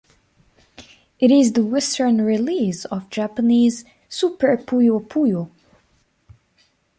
It is the Western release of Japanese "Super Puyo Puyo".